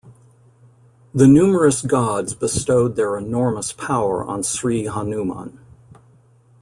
The numerous Gods bestowed their enormous power on Sree Hanuman.